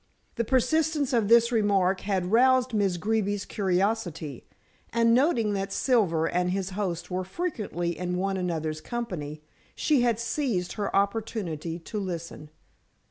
The persistence of this remark had roused Miss Greeby's curiosity, and noting that Silver and his host were frequently in one another's company, she had seized her opportunity to listen.